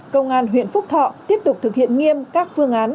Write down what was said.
công an huyện phúc thọ tiếp tục thực hiện nghiêm các phương án